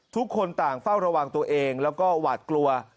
ทุกคนต่างเฝ้าระวังตัวเองแล้วก็หวาดกลัว